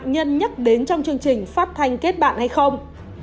nhân nhắc đến trong chương trình phát thanh kết bạn hay không